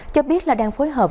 cho biết là đang phối hợp